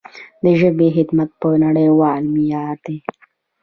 د ژبې خدمت په نړیوال معیار دی.